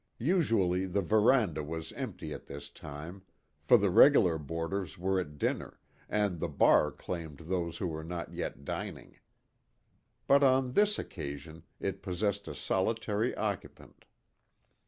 Usually the veranda was empty at this time, for the regular boarders were at dinner, and the bar claimed those who were not yet dining. But on this occasion it possessed a solitary occupant.